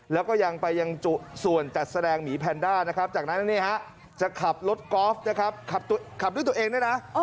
แล้วก็ยังไปยังจุดส่วนจัดแสดงหมีแพนด้านะครับจากนั้นจะขับรถกอล์ฟนะครับขับด้วยตัวเองด้วยนะ